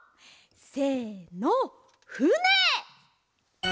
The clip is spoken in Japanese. せのふね！